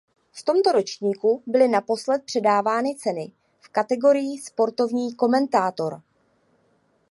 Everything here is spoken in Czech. V tomto ročníku byly naposled předávány ceny v kategorii sportovní komentátor.